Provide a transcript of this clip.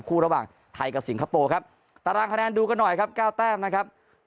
คู่ระหว่างไทยกับสิงคโปร์ครับตารางคะแนนดูกันหน่อยครับ๙แต้มนะครับ